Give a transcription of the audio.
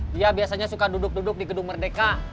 dia biasanya suka duduk duduk di gedung merdeka